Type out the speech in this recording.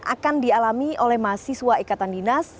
akan dialami oleh mahasiswa ikatan dinas